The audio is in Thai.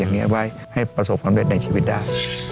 อย่างนี้ไว้ให้ประสบความเร็จในชีวิตได้